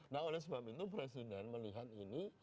nah oleh sebab itu presiden melihat ini